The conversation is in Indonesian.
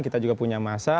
kita juga punya masa